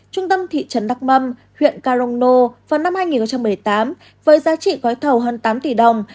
trung tâm thị trấn đắk mâm huyện carono vào năm hai nghìn một mươi tám với giá trị gói thầu hơn tám tỷ đồng